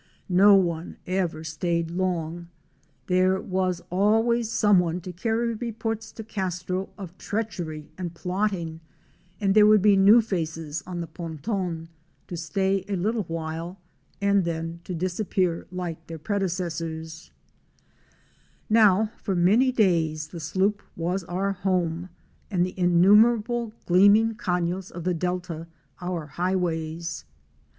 No one ever stayed long; there was always someone to carry reports to Castro of treachery and plotting, and there would be new faces on the "' Pontén," to stay a little while and then to disappear like their predecessors. Fic. 41. VENEZUELAN SOLDIERS ON THE " PonTO6N"? GUARD SHIP. Now for many days the sloop was our home, and the innu merable gleaming caios of the delta our highways.